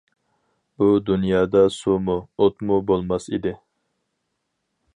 بۇ دۇنيادا سۇمۇ، ئوتمۇ بولماس ئىدى.